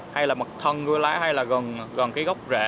hay là mặt thân của lá hay là gần gốc rễ